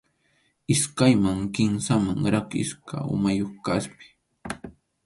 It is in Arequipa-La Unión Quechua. Iskayman kimsaman rakisqa umayuq kʼaspi.